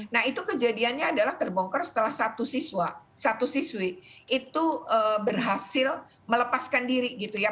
nah itu kejadiannya adalah terbongkar setelah satu siswa satu siswi itu berhasil melepaskan diri gitu ya